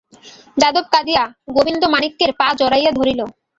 যাদব কাঁদিয়া গোবিন্দমাণিক্যের পা জড়াইয়া ধরিল।